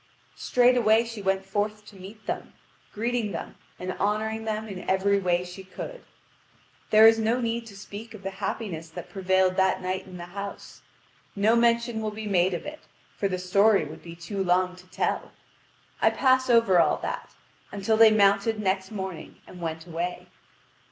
Straightway she went forth to meet them, greeting them and honouring them in every way she could. There is no need to speak of the happiness that prevailed that night in the house. No mention will be made of it, for the story would be too long to tell. I pass over all that, until they mounted next morning and went away.